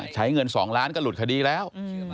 ใช้เงิน๒ล้านก็หลุดคดีแล้ว